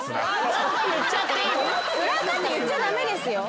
裏アカって言っちゃ駄目ですよ。